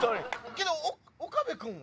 けど岡部君は？